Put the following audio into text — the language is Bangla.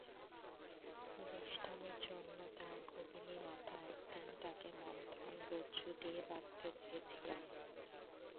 দুষ্টামির জন্য তাঁর গোপিনী মাতা একদিন তাঁকে মন্থনরজ্জু দিয়ে বাঁধতে চেয়েছিলেন।